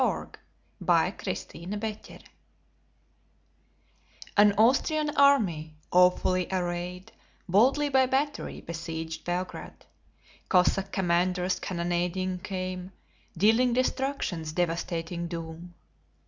Y Z The Siege of Belgrade AN Austrian army, awfully arrayed, Boldly by battery besieged Belgrade. Cossack commanders cannonading come, Dealing destruction's devastating doom.